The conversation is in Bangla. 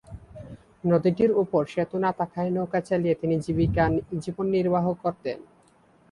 নদীটির উপর সেতু না থাকায় নৌকা চালিয়ে তিনি জীবন-নির্বাহ করতেন।